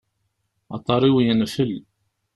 Aḍar-iw yenfel.